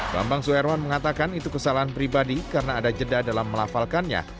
bambang suherman mengatakan itu kesalahan pribadi karena ada jeda dalam melafalkannya